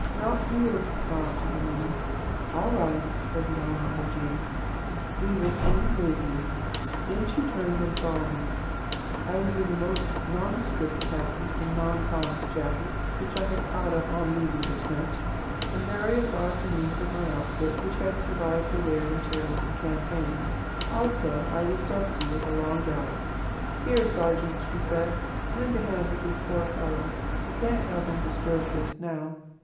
'Not here,' sobbed the man. 'All right,' said the Honourable Jane; 'we will soon move you.' Then she turned and saw me. I was in the most nondescript khaki, a non com's jacket which I had caught up on leaving the tent, and various odds and ends of my outfit which had survived the wear and tear of the campaign. Also I was dusty with a long gallop. 'Here, serjeant,' she said, 'lend a hand with this poor fellow. I can't have him disturbed just now.'